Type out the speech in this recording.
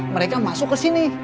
mereka masuk ke sini